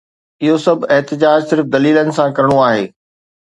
اهو سڀ احتجاج صرف دليلن سان ڪرڻو آهي.